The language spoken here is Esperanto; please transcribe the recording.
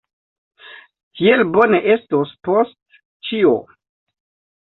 Tiel bone estos post ĉio.